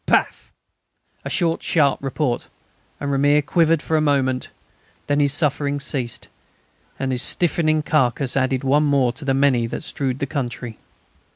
Paff! A short, sharp report, and "Ramier" quivered for a moment. Then his sufferings ceased, and his stiffening carcase added one more to the many that strewed the country.